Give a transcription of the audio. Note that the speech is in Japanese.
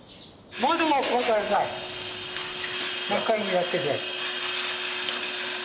何回もやってて。